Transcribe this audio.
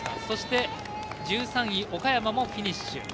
そして１３位岡山もフィニッシュ。